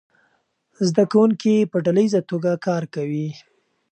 زده کوونکي په ډله ییزه توګه کار کوي.